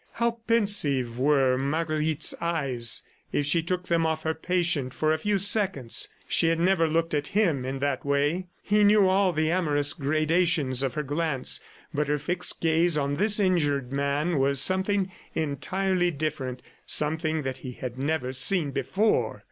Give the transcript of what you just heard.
How pensive were Marguerite's eyes if she took them off her patient for a few seconds! ... She had never looked at him in that way. He knew all the amorous gradations of her glance, but her fixed gaze at this injured man was something entirely different, something that he had never seen before.